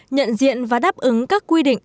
nhận diện và đáp ứng các quy định